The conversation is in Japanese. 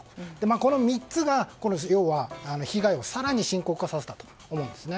この３つが要は被害を更に深刻化させたと思うんですね。